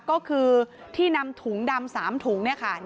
ก็คือที่นำถุงดำ๓ถุงเนี่ยค่ะ